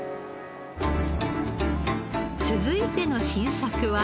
続いての新作は。